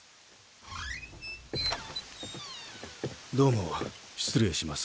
どうも失礼します。